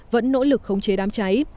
vẫn nỗ lực khống chế đám cháy